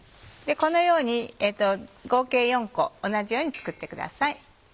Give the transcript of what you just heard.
このように合計４個同じように作ってください。